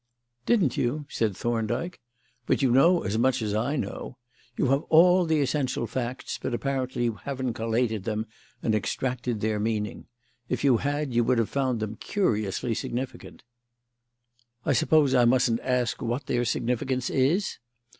"Didn't you?" said Thorndyke. "But you know as much as I know. You have all the essential facts; but apparently you haven't collated them and extracted their meaning. If you had, you would have found them curiously significant." "I suppose I mustn't ask what their significance is?"